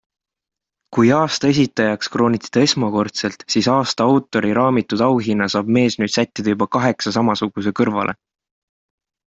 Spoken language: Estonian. Kui aasta esitajaks krooniti ta esmakordselt, siis aasta autori raamitud auhinna saab mees nüüd sättida juba kaheksa samasuguse kõrvale.